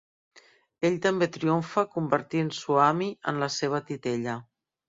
Ell també triomfa convertint Swami en la seva titella.